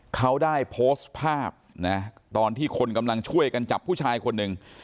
เขาได้โพสต์ภาพนะตอนที่คนกำลังช่วยกันจับผู้ชายคนหนึ่ง